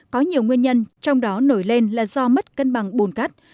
có nhiều nguyên nhân trong đó nổi lên là do mất cân bằng bùn cát